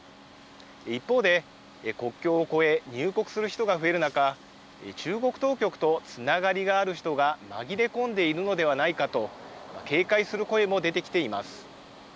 一方で、国境を越え、入国する人が増える中、中国当局とつながりがある人が紛れ込んでいるのではないかと、警戒する声も出てきています。